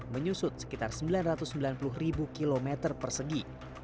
menyusut sekitar sembilan ratus sembilan puluh ribu kilometer persegi